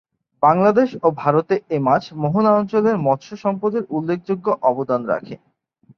বাংলাদেশ ও ভারতে এ মাছ মোহনা অঞ্চলের মৎস্য সম্পদের উল্লেখযোগ্য অবদান রাখে।